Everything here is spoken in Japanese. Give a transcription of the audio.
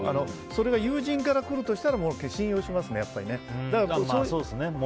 それが友人から来るとしたら信用しますよね。